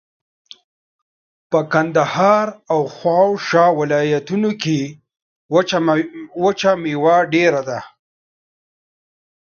په کندهار او شاوخوا ولایتونو کښې وچه مېوه ډېره ده.